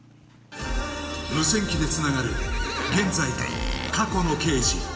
無線機でつながる現在と過去の刑事。